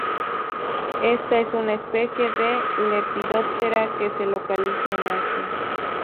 Esta es una especie de Lepidoptera que se localiza en Asia.